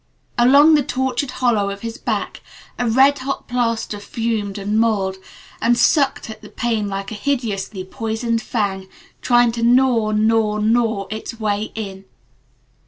Along the tortured hollow of his back a red hot plaster fumed and mulled and sucked at the pain like a hideously poisoned fang trying to gnaw gnaw gnaw its way in.